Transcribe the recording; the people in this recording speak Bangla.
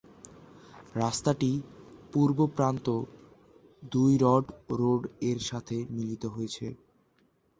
রাস্তাটির পূর্ব প্রান্ত দুই রড রোড এর সাথে মিলিত হয়েছে।